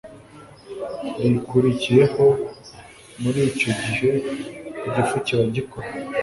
rikurikiyeho. Muri icyo gihe, igifu kiba gikora